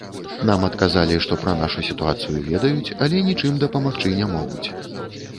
Нам адказалі, што пра нашу сітуацыю ведаюць, але нічым дапамагчы не могуць.